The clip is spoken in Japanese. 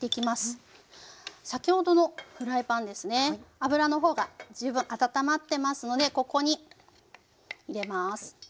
油の方が十分温まってますのでここに入れます。